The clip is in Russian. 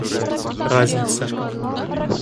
разница